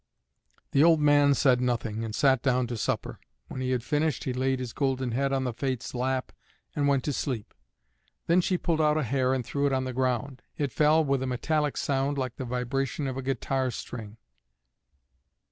The old man said nothing, and sat down to supper. When he had finished he laid his golden head on the Fate's lap and went to sleep. Then she pulled out a hair and threw it on the ground. It fell with a metallic sound like the vibration of a guitar string.